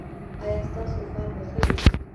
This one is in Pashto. ایا ستاسو فال به ښه وي؟